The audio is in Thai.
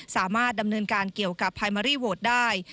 สามารถดำเนินการเกี่ยวกับไฮเมอรี่โหวตได้